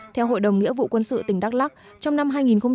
theo hội đồng nghĩa vụ quân sự tỉnh đắk lắc trong năm hai nghìn một mươi chín